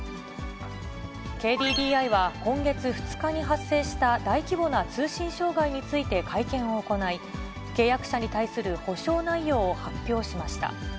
ＫＤＤＩは、今月２日に発生した大規模な通信障害について会見を行い、契約者に対する補償内容を発表しました。